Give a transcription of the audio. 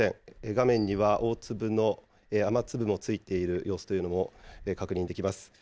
画面には大粒の雨粒もついている様子というのも確認できます。